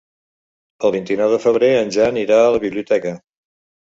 El vint-i-nou de febrer en Jan irà a la biblioteca.